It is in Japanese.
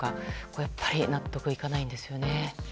これはやっぱり納得いかないんですよね。